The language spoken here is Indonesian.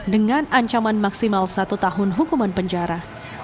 dengan ancaman maksimal satu tahun hukuman penjara